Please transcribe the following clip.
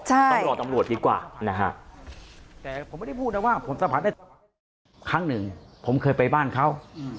ต้องรอตำรวจดีกว่านะฮะแต่ผมไม่ได้พูดนะว่าผมสัมผัสได้ครั้งหนึ่งผมเคยไปบ้านเขา